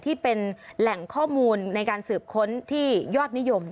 ที่เป็นแหล่งข้อมูลในการสืบค้นที่ยอดนิยม